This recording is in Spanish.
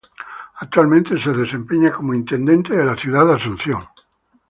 Actualmente se desempeña como intendente de la ciudad de Asunción.